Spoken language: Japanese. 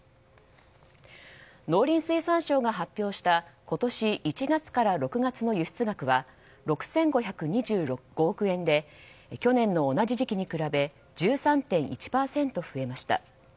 農林水産省が発表した今年１月から６月の輸出額は６５２５億円で去年の同じ時期に比べ１３．１％増えました。